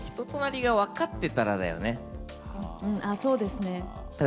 もう、そうですね。